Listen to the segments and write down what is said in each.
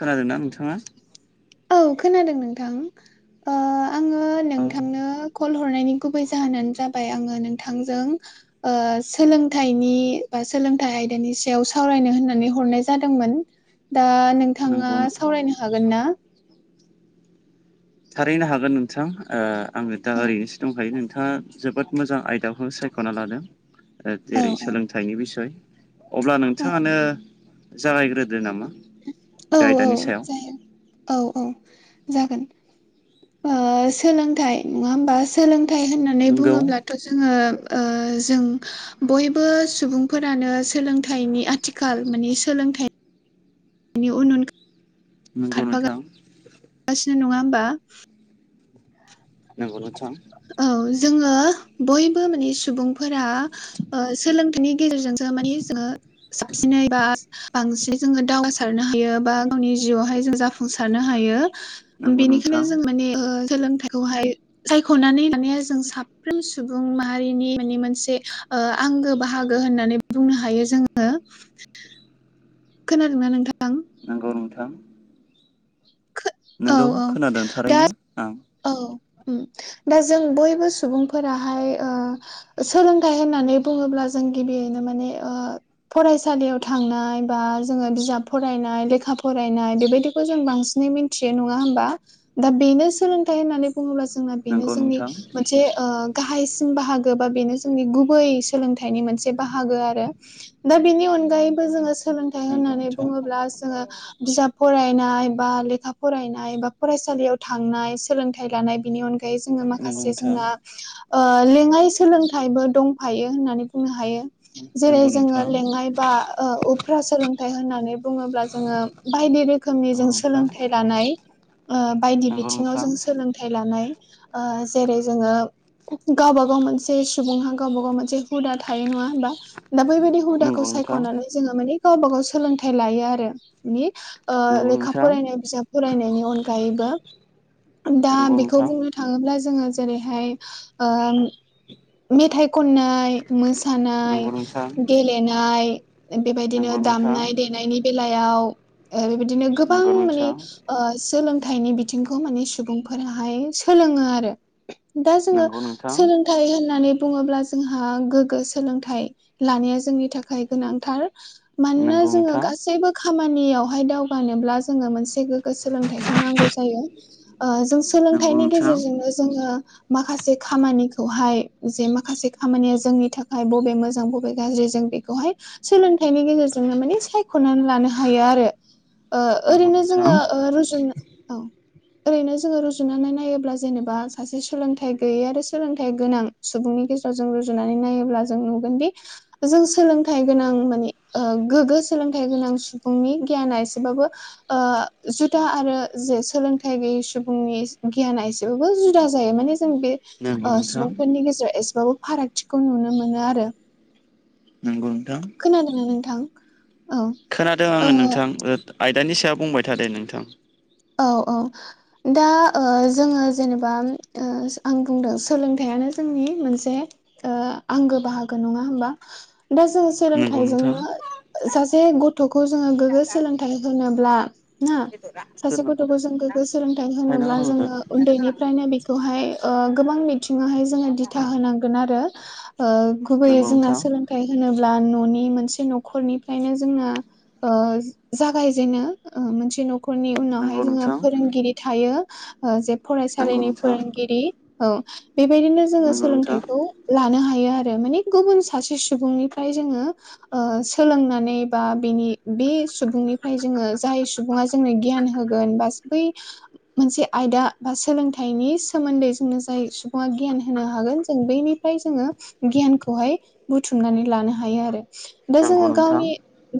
खोनादों ना नोंथाङा? औ खोनादों नोंथां। ओ आङो औ नोंथांनो कल हरनायनि गुबै जाहोनानो जाबाय आङो नोंथांजों ओ सोलोंथाइनि बा सोलोंथाइ आयदानि सायाव सावरायनो होननानै हरनाय जादोंमोन। दा नोंथाङा नंगौ सावरायनो हागोन ना? थारैनो हागोन नोंथां। ओ आङो दा औ ओरैनोसो दंखायो नोंथाङा जोबोद मोजां आयदाखौ सायख'ना लादों। ओ जेरै औ सोलोंथाइनि बिसय अब्ला औ नोंथाङानो जागायग्रोदो नामा? औ बे औ आयदानि सायाव जायो। औ औ जागोन। ओ सोलोंथाइ नङा होमबा? सोलोंथाइ होननानै नंगौ बुङोब्लाथ' जोङो ओ जों बयबो सुबुंफोरानो सोलोंथाइनि आथिखाल माने सोलोंथाइ नि उन उन नंगौ नोंथां खारफागारगासिनो नङा होमबा? नंगौ नोंथां। औ जोङो बयबो माने सुबुंफोरा ओ सोलोंथाइनि गेजेरजोंसो माने जोङो साबसिनै बा बांसिन जोङो दावगासारनो हायो बा गावनि जिउआवहाय जों जाफुंसारनो हायो। नंगौ नोंथां बेनिखायनो जों माने ओ सोलोंथाइखौहाय खौनानै माने जों साफ्रोम सुबुं माहारिनि माने मोनसे ओ आंगो बाहागो होननानै बुंनो हायो जोङो। खोनादोंना नोंथां? नांगौ नोंथां। औ नोंगौ औ खोनादों दा थारैनो आं औ उम दा जों बयबो सुबुंफोराहाय ओ सोलोंथाइ होननानै बुङोब्ला जों गिबियैनो माने ओ फरायसालियाव थांनाय बा जोङो बिजाब फरायनाय लेखा फरायनाय बेबायदिखौ जों बांसिनै थियो नङा होमबा दा बेनो सोलों थाय होननानै बुङोब्ला जोंना बेनो नंगौ जोंनि नोंथां मोनसे ओ गाहायसिन बाहागो बा बेनो जोंनि गुबै सोलोंथाइनि मोनसे बाहागो आरो। दा बेनि अनगायैबो जोङो सोलोंथाइ नंगौ होननानै नोंथां बुङोब्ला जोङो बिजाब फरायनाय बा लेखा फरायनाय बा फरायसालियाव थांनाय सोलोंथाइ लानाय बिनि अनग गायै जोङो नंगौ माखासे नोंथां जोंना ओ लेङाइ सोलोंथाइबो दंफायो होननानै बुंनो हायो। जेरै नंगौ जोङो नोंथां लेंनाय बा ओ उफ्रा सोलोंथाइ होननानै बुङोब्ला जोङो बायदि रो खोमसि नंगौ जों नोंथां सोलोंथाइ लानाय ओ बायदि नंगौ बिथिङाव नोंथां जों लोंथाइ लानाय ओ जेरै जोङो गावबा गाव मोनसे सुबुंहा गावबा-गाव मोनसे हुदा थायो नङा होनबा? दा बैबायदि हुदाखौ नंगौ नोंथां सायख'नानै जोङो माने गावबा गाव सोलोंथाइ लायो आरो माने ओ नंगौ लेखा नोंथां फरायनाय बिजाब फरायनायनि अनगायैबो दा नंगौ बेखौ नोंथां बुंनो थाङोब्ला जोङो जेरैहाय ओ मेथाइ खननाइ मोसानाय नंगौ नोंथां गेलेनाय बेबायदिनो नंगौ नोंथां दामनाय देनायनि बेलायाव ओ बेबायदिनो गोबां नंगौ माने नोंथां सोलोंथाइनि बिथिंखौ माने सुबुंफोराहाय सोलोङो आरो। दा जोङो नंगौ नोंथां सोलोंथाइ होन होननानै बुङोब्ला जोंहा गोग्गो सोलोंथाइ लानाया जोंनि थाखाय गोनांथार। मानोना नंगौ जोङो नोंथां गासैबो खामानियावहाय दावगानोब्ला जोंनो मोनसे गोग्गो सोलोंथाइखौ नांगौ जायो ओ जों नंगौ सोलोंथाइनि नोंथां गेजेरजोंनो जोङो माखासे खामानिखौहाय जे माखासे खामानिया जोंनि थाखाय बबे मोजां बबे गाज्रि जों बेखौहाय सोलोंथाइनि गेजेरजोंनो माने सायख'नानै लानो हायो आरो। ओ नंगौ ओरैनो नोंथां जोङो ओ रुजुन औ ओरैनो जोङो रुजुनानै नायोब्ला जेनेबा सासे सोलोंथाइ गैयै आरो सोलोंथाइ गोनां सुबुंनि गेजेराव जों रुजुनानै नायोब्ला जों नुगोनदि जों सोलोंथाइ गोनां माने गोग्गो सोलोंथाइ गोनां सुबुंनि गियाना एसेबाबो ओ जुदा आरो जे सोलोंथाइ गैयै सुबुंनि गियाना एसेबाबो जुदा जायो माने जों बे नंगौ ओ नोंथां सुबुंफोरनि गेजेराव एसेबाबो फारागथिखौ नुनो मोनो आरो। नंगौ नोंथां खोनादों ना नोंथां? औ खोनादों ओ आङो नोंथां ओ आयदानि सायाव बुंबाय था दे नोंथां। औ औ दा ओ जोङो जेनेबा ओ आं बुंदों सोलोंथाइयानो जोंनि मोनसे ओ आंगो बाहागो नङा होमबा दा जों नंगौ नोंथां सोलोंथाइजोंनो सासे गथ'खौ जोङो गोग्गो सोलोंथाइ होनोब्ला ना सासे दोनना थादो गथ'खौ जों गोग्गो सोलोंथाइ हायना होनोब्ला गालांदो जोङो उन्दैनिफ्रायनो बेखौहाय ओ- गोबां मिथिङावहाय जोङो दिथा होनांगोन आरो ओ- गुबैयै नंगौ जोंना नोंथां सोलों फाथाय होनोब्ला न'नि मोनसे न'खरनिफ्रायनो जोंना ओ- जागायजेनो ओ- मोनसे न'खर उनावहाय नंगौ जोंङाहा नोंथां फोरोंगिरि थायो ओ- जे नंगौ फरायसालिनि नोंथां फोरोंगिरि औ बेबायदिनो जोङो नंगौ नोंथां सोलोंथाइखौ लानो हायो आरो माने गुबुन सासे सुबुंनिफ्राय जोंङो ओ- सोलोंनानै बा बिनि बे सुबुंनिफ्राय जोंङो जाय सुबुङा जोंनो गियान होगोन बा बै मोनसे आयदा बा सोलोंथाइनि सोमोन्दै जोंनो जाय सुबुङा गियान होनो हागोन जों बैनि फाय जोंङो गियानखौहाय बुथुमनानै लानो हायो आरो दा नंगौ जोङो नोंथां गावनि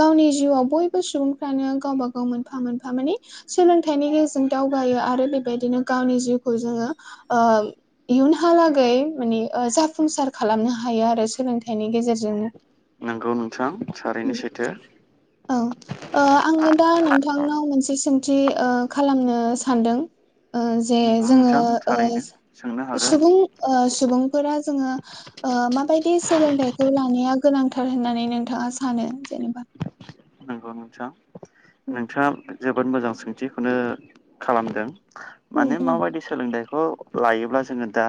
गावनि जिउआव बयबो सुबुंफ्रानो गावब गाव मोन मोनफा मोनफा माने सोलोंथाइनि गेजेरजों दावगायो आरो बेबायदिनो गावनि जिउखौ जोंङो ओ इयुनहालागै माने ओ- जाफुंसार खालामनो हायो आरो सोलोंथाइनि गेजेरजोंनो नोंगौ नोंथां थारैनो सैथो औ ओ- आङो दा नोंथांनाव मोनसे सोंथियो ओ- खालामनो सानदों ओ- जे नंगौ जोंङो नोंथां थारैनो सोंनो ओ- हागोन सुबुं ओ- सुबुंफोरा जोंङो ओ- माबायदि सोलोंथाइखौ लानाया गोनांथार होननानै नोंथाङा सानो जेनेबा नंगौ नोंथाङा नोंथाङा जोबोद मोजां सोंथिखौनो खालामदों माने माबायदि सोलोंथाइखौ लायोब्ला जोङो दा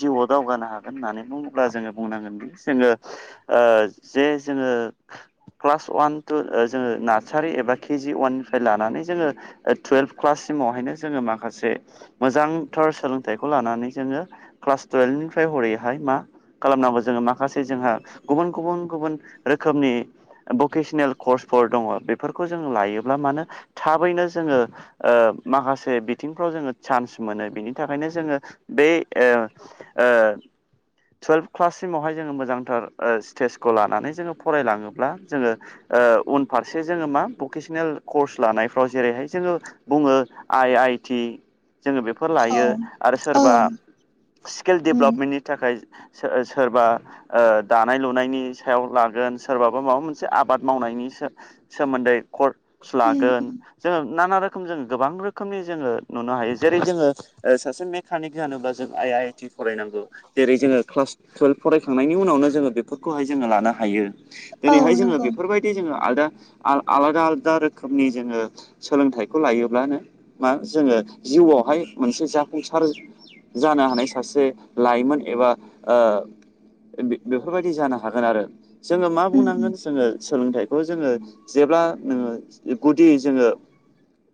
जिउआव दावगानो हागोन होननानै बुङोब्ला जोंङो बुंनांगोन जोंङो ओ- जे जोंङो क्लास वान टु ओ- जोंङो नारसारि एबा केजि अवाननिफ्राय लानानै जोंङो ओ- टुवेल्भ क्लाससिमावहायनो जोंङो माखासे मोजांथार सोलोंथाइखौ लानानै जोंङो क्लास टुयेल्भ निफ्राय हरैहाय मा खालामनांगौ जोंङो माखासे जोंहा गुबुन गुबुन गुबुन रोखोमनि भकेसनेल कर्सफोर दङ बेफोरखौ जों लायोब्ला मानो थाबैनो जोंङो ओ- माखासे बिथिंफ्राव जोंङो चान्स मोनो बिनि थाखायनो जोंङो बे ओ- ओ टुवेल्भ क्लाससिमावहाय जोंङो मोजांथार ओ- स्टेजखौ लानानै जोंङो फरायलाङोब्ला जोंङो ओ- उनफारसे जोंङो मा भकेसनेल कार्स लानायफ्राव जेरैहाय जोंङो बुङो आइ आइ टि जोंङो बेफोर औ लायो आरो औ सोरबा स्किल उम डेभेलपमेन्टनि थाखाय सोरबा ओ- दानाय लुनायनि सायाव लागोन सोरबाबा माबा मोनसे आबाद मावनायनि सोमोन्दै कर्स लागोन जों नाना रोखोम जों गोबां रोखोमनि जोंङो नुनो हायो जेरै जोंङो ओ- सासे मेकानिक जानोबा जों आइ आइ फरायनांगौ जेरै जोंङो क्लास टुवेल्भ फरायखांनायनि उनावनो जोंङो बेफोर खौहाय जोंङो लानो हायो औ दिनैहाय जोंङो नंगौ बेफोरबायदि जोंङो आलादा आलादा आलादा रोखोमनि जोंङो सोलोंथाइखौ लायोब्लानो मा जोंङो जिउआवहाय मोनसे जाफुंसार जानो हानाय सासे लाइमोन एबा। बेफोरबायदि जानो हागोन आरो जोङो मा उम बुंनांगोन जोङो सोलोंथाइ। बे खौ जोङो जेब्ला नोङो गुदि जोङो।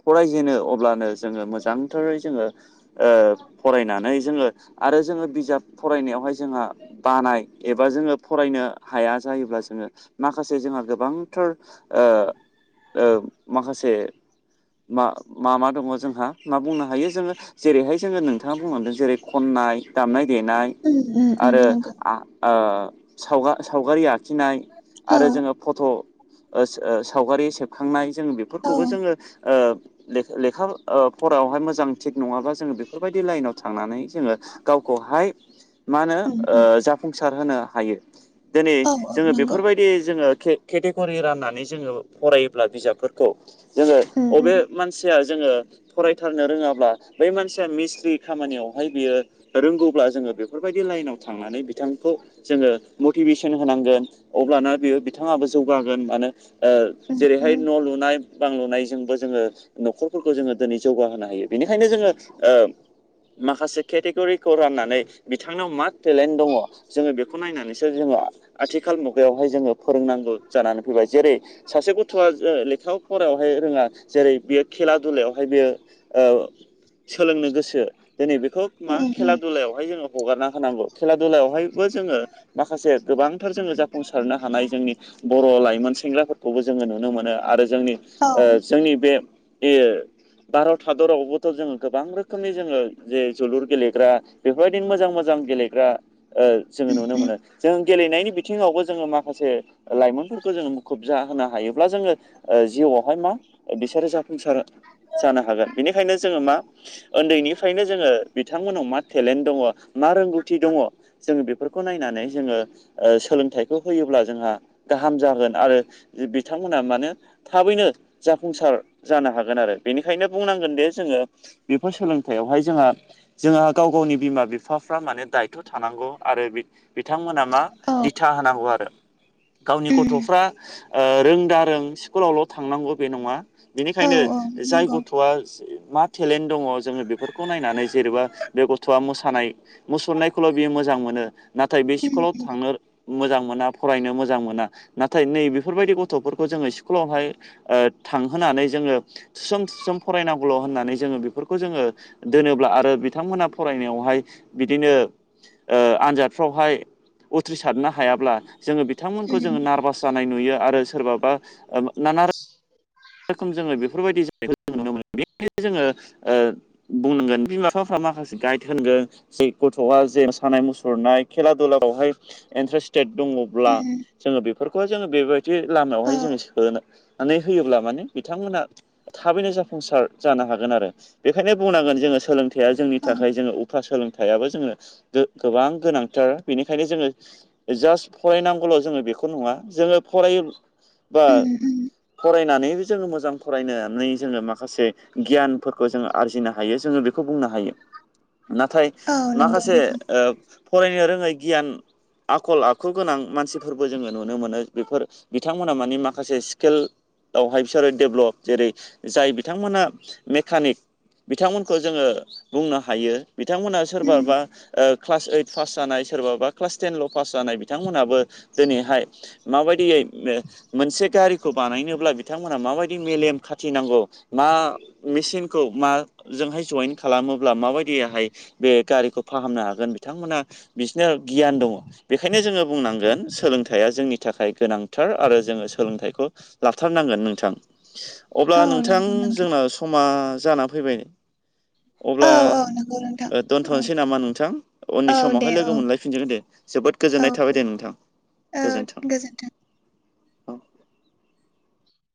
फरायजेनो अब्लानो जोङो मोजांथारै जोङो। ओ फरायनानै जोङो आरो जोङो बिजाब फरायनायावहाय जोंहा। बानाय एबा जोङो फरायनो हाया जायोब्ला जोङो माखासे जोंहा गोबां। थार माखासे। मा मा मा दङ जोंहा मा बुंनो हायो जोङो। जेरैहाय जोङो नोंथाङा बुंलांदों जेरै खननाय दामनाय देनाय उम उम उम आरो। नंगौ सावग सावगारि आखिनाय औ आरो जोङो फट'। सावगारि सेबखांनाय जोंङो औ बेफोरखौबो जोङो लेखा फरायावहाय मोजां थिग नङाबा जोङो बेफोरबायदि लाइनाव थांनानै जोङो। गावखौहाय। मा होनो उम उम जाफुंसार होनो हायो दिनै औ औ जोङो नंगौ बेफोरबायदि। दि जोङो केटेगरि राननानै जोङो फरायोब्ला बिजाबफोरखौ। जोंङो उम बबे उम मान। मानसिया जोङो फरायथारनो रोङाब्ला बै मानसिया मिसथ्रि खामानियावहाय बियो। रोंगौब्ला जोङो बेफोरबायदि लाइनाव। थांनानै बिथांखौ जोङो मटिभेसन होनांगोन अब्लाना बेयो बिथाङाबो ज। जौगागोन मानोे उम जेरैहाय उम न' लुनाय। बांलुनायजोंबो जोङो न'खरफोरखौ जोङो दिनै जौगाहोनो हायो बेनिखायनो जोङो। माखासे केटेगरिखौ राननानै बिथांनाव मा टेलेन्ट दङ। जोङो बेखौ नायनानैसो जोङो आथिखाल मुगायावहाय जोङो फोरोंनांगौ जानानै फैबाय जेरै। सासे गथ'आ लेखायाव फरायायावहाय रोङा जेरै बेयो खेला दुलायावहाय बेयो। सोलोंनो गोसो दिनै बेखौ मा उम खेला उम दुलायावहाय जोङो। हगारना होनांगौ खेला दुलायावहायबो जोङो। माखासे गोबांथार जोङो जाफुंसारनो हानाय जोंनि। बर' लाइमोन सेंग्राफोरखौबो जोङो नुनो मोनो आरो जोंनि औ जोंनि बे। बे भारत हादरावबोथ' जोङो गोबां रोखोमनि जोङो जे जोलुर गेलेग्रा। बेफोरबायदिनो मोजां मोजां गेलेग्रा। जोङो नुनो मोनो जों गेलेनायनि बिथिङावबो जोङो माखासे। लाइमोनफोरखौ जोङो मुखुब जाहोनो हायोब्ला जोङो जिउआवहाय मा। बिसोरो जाफुंसार जानो हागोन बेनिखायनो जोङो मा उन्दैनिफ्रायनो जोङो। बिथांमोनाव मा टेलेन्ट दङ मा रोंगौथि दङ। जोङो बेफोरखौ नायनानै जोङो सोलोंथाइखौ होयोब्ला जोंहा। गाहाम जागोन आरो बिथांमोना मानो। थाबैनो जाफुंसार जानो हागोन आरो बेनिखायनो बुंनांगोन दिे जोङो। बेफोर सोलोंथायाइयावहाय जोंहा। जोंहा गाव गावनि बिमा बिफाफ्रा माने दायथ' थानांगौ आरो। बिथांमोना मा औ दिथा होनांगौ आरो। गावनि उम गथ'फ्रा रोंदारों स्कुलावल' थांनांगौ बे नङा। औ बेनिखायनो औ जाय नंगौ गथ'आ मा। टेलेन्ट दङ जोङो बेफोरखौ नायनानै जेनेबा बे गथ'आ मोसानाय। मुसुरनायखौल' बियो मोजां मोनो नाथाय बे उम स्कुलाव थांनो मोजां मोना फरायनो मोजां। मोजां मोना नाथाय नै बेफोरबायदि गथ'फोरखौ जोङो स्कुलावहाय थांहोनानै जोङो। थुस्रोम थुस्रां फरायनांगौल' होननानै जोङो बेफोरखौ जोङो। दोनोब्ला आरो बिथांमोनहा फरायनायावहाय बिदिनो। आनजादफ्रावहाय उथ्रिसारनो हायाब्ला जोङो। बिथांमोनखौ उम जोङो नारभास जानाय नुयो आरो सोरबाबा नाना रोखोम। रोखोम जोङो बेफोरबायदि जानायखौ जों नुनो मोनो बे जोङो। बुंनांगोन बिमा बिफाफ्रा माखासे गाइड होनगोन ज गथ'आ जे सानाय मुसुरनाय खेला दुलाावहाय इन्ट्रेस् स्टेट दङब्ला उम जोङो बेफोरखौहाय जोङो बेबायदि औ लामायावहाय जोङो सोनानै होयोब्ला बिथांमोना थाबैनो जाफुंसार जानो हागोन आरो बेखायनो बुंनांगोन जोङो सोलों फाया जोंनि औ थाखाय जोङो उफ्रा सोलोंथायाइाबो जोङो गोबां गोनांथार बेनिखायनो जोङो जास्ट फरायनांगौल' जोङो बेखौ नङा जोङो फराय बा उम उम फरायनानै जोङो मोजां फरायनानै जोङो माखासे गियानफोरखौ जोङो आरजिनो हायो जोङो बेखौ बुंनो हायो [unintelligible] नाथाय औ नंगौ माखासे नोंथां ओ फरायनो रोङै गियान आखल आखु गोनां मानसिफोरबो जोङो नुनो मोनो बेफोर बिथांमोना माने माखासे स्केल बेवहाय बिसोरो डेभ्लप जेरै जाय बिथांमोना मेकानिक बिथांमोनखौ जोङो बुंनो हायो। बिथांमोना उम सोरबाबा ओ क्लास ओइट पास जानाय सोरबाबा क्लास टेनल' पास जानाय बिथांमोनहाबो दिनैहाय माबायदियै मोनसे गारिखौ बानायनोब्ला बिथांमोनहा माबायदि मेलेम खाथिनांगौ मा मेचिनखौ माजोंहाय जइेन खालामोब्ला माबायदिहाय बे गारिखौ फाहामनो हागोन बिथांमोना बिसनो गियान दङ। बेखायनो जोङो बुंनांगोन सोलोंथाइया जोंनि थाखाय गोनांथार आरो जोङो सोलोंथाइखौ ला थारनांगोन नोंथां। अब्ला औ नोंथां नंगौ जोंनााव समा जानानै फैबाय औ औ नोंगौ। ओ दोन्थ'नोसै नामा नोंथां? औ उननि दे समावहाय औ लोगो मोनलायफिनजोगोन दे। जोबोद औ गोजोननाय थाबाय दे गोजोन- नोंथां। औ गोजोन्थों गो औ